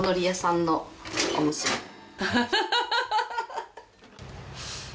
ハハハハハ！